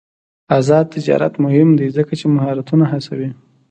آزاد تجارت مهم دی ځکه چې مهارتونه هڅوي.